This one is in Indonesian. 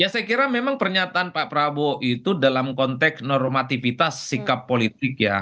ya saya kira memang pernyataan pak prabowo itu dalam konteks normativitas sikap politik ya